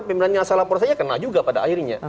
pimpinannya asal laporannya kena juga pada akhirnya